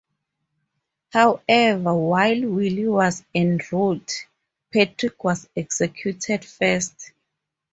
However, while Willie was en route, Patrick was executed first.